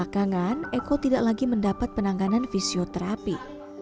belakangan eko tidak lagi mendapat penanganan fisioterapi